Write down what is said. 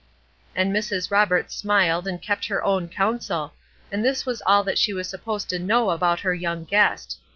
And Mrs. Roberts smiled and kept her own counsel; and this was all that she was supposed to know about her young guest.